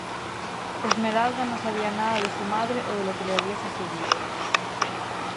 Esmeralda no sabía nada de su madre o de lo que le había sucedido.